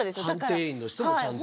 判定員の人もちゃんと。